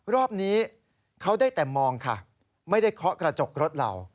รอบนี้เขาได้แต่มองค่ะไม่ได้เคาะกระจกรถเรา